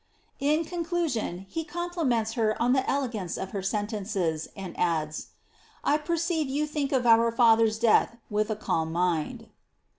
In conclusion, he compliments her on the elegance of her sentences, and adds, ^ I perceive you think of our fiiiher's death with a calm mind."